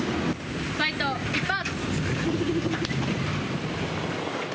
ファイト一発。